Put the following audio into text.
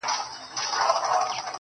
• خوله يوه ښه ده، خو خبري اورېدل ښه دي.